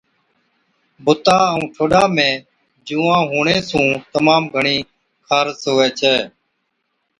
بُتا ائُون ٺوڏا ۾ جُوئان هُوَڻي سُون تمام گھڻِي خارس هُوَي ڇَي۔